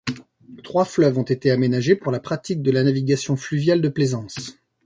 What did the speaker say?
Trois fleuves ont été aménagés pour la pratique de la navigation fluviale de plaisance.